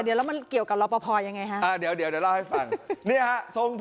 ในการที่สร้างโรงเรียนนี้ต้องมีเอกสาร